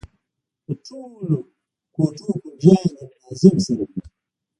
د ټولو کوټو کونجيانې له ناظم سره وي.